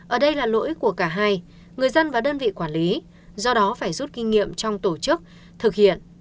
ở đây là lỗi của cả hai người dân và đơn vị quản lý do đó phải rút kinh nghiệm trong tổ chức thực hiện